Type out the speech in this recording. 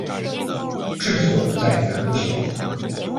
治所在南部县。